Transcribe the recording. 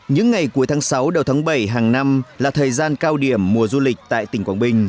những ngày cuối tháng sáu đầu tháng bảy hàng năm là thời gian cao điểm mùa du lịch tại tỉnh quảng bình